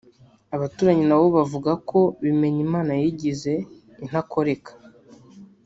Abaturanyi na bo bavuga ko Bimenyimana yigize intakoreka